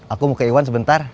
aku mau ke iwan sebentar